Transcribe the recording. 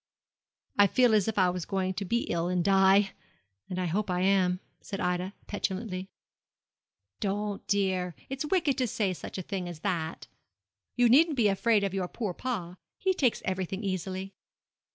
'I feel as if I was going to be ill and die, and I hope I am,' said Ida, petulantly. 'Don't, dear; it's wicked to say such a thing as that. You needn't be afraid of your poor pa; he takes everything easily.'